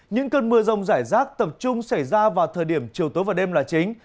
những cơn mưa rông rải rác tập trung xảy ra vào thời điểm chiều tối và đêm là chính